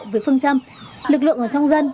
với phương châm lực lượng ở trong dân